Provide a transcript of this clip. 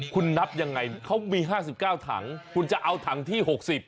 คุณนับยังไงเขามี๕๙ถังคุณจะเอาถังที่๖๐